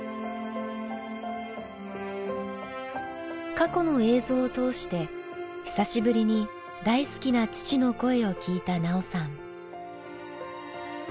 過去の映像を通して久しぶりに大好きな父の声を聞いた奈緒さん。